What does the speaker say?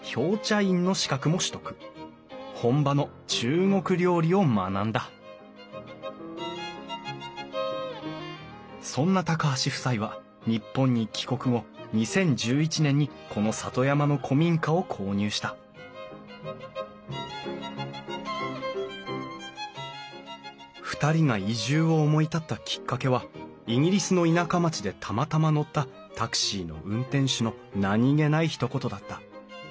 本場の中国料理を学んだそんな橋夫妻は日本に帰国後２０１１年にこの里山の古民家を購入した２人が移住を思い立ったきっかけはイギリスの田舎町でたまたま乗ったタクシーの運転手の何気ないひと言だった。